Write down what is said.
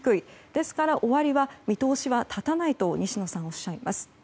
ですから終わりの見通しは立たないと西野さんはおっしゃいます。